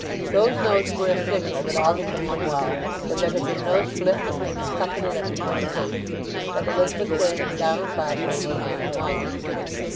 Those notes were a signal that all had gone well; that there had been no slip 'twixt cup and lip in this case; that Elizabeth Jane and Donald Farfrae were man and wife.